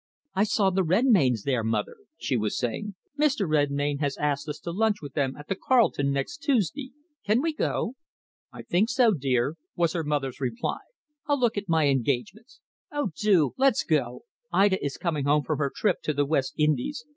"I saw the Redmaynes there, mother," she was saying. "Mr. Redmayne has asked us to lunch with them at the Carlton next Tuesday. Can we go?" "I think so, dear," was her mother's reply. "I'll look at my engagements." "Oh, do let's go! Ida is coming home from her trip to the West Indies.